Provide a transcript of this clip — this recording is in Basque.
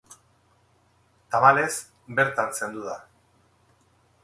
Tamalez, bertan zendu da.